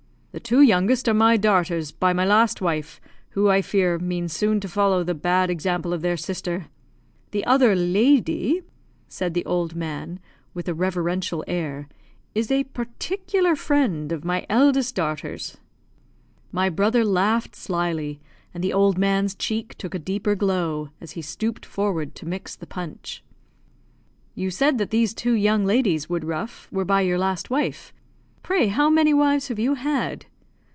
"The two youngest are my darters, by my last wife, who, I fear, mean soon to follow the bad example of their sister. The other lady," said the old man, with a reverential air, "is a particular friend of my eldest darter's." My brother laughed slily, and the old man's cheek took a deeper glow as he stooped forward to mix the punch. "You said that these two young ladies, Woodruff, were by your last wife. Pray how many wives have you had?"